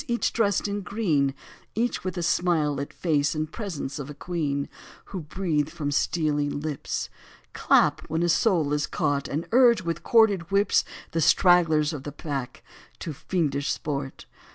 Each dressed in green. Each with a smile lit face And presence of a queen, Who breathe from steely lips. Clap when a soul is caught. And urge, with corded whips. The stragglers of the pack to fiendish sport.